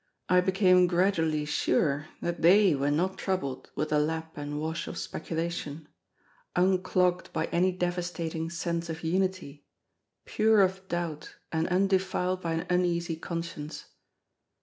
I became gradually sure that they were not troubled with the lap and wash of speculation; unclogged by any devastating sense of unity; pure of doubt, and undefiled by an uneasy conscience.